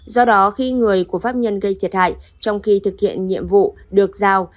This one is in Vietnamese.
do đó khi người của pháp nhân gây thiệt hại trong khi thực hiện nhiệm vụ được giao